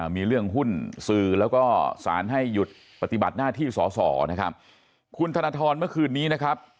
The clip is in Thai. มีเรื่องหุ้นสื่อแล้วก็สารให้หยุดปฏิบัติหน้าที่สอสอนะครับคุณธนทรเมื่อคืนนี้นะครับ